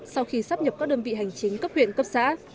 sau khi sắp nhập các đơn vị hành chính cấp huyện cấp xã